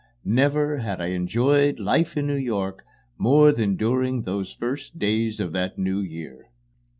Never had I enjoyed life in New York more than during those first days of that new year.